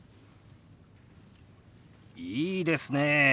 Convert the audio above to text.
いいですねえ。